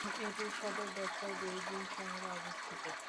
এটির সদর দপ্তর বেইজিং শহরে অবস্থিত।